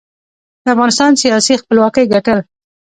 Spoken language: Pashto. د افغانستان سیاسي خپلواکۍ ګټل.